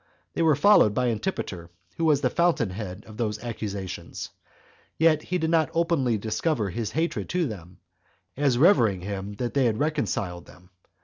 They were followed by Antipater, who was the fountain head of those accusations; yet did not he openly discover his hatred to them, as revering him that had reconciled them.